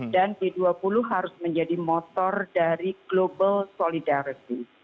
dan g dua puluh harus menjadi motor dari global solidarity